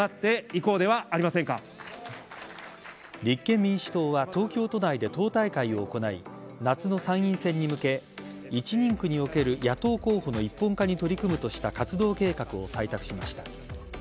立憲民主党は東京都内で党大会を行い夏の参院選に向け１人区における野党候補の一本化に取り組むとした活動計画を採択しました。